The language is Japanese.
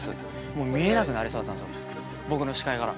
もう見えなくなりそうだったんですよ、僕の視界から。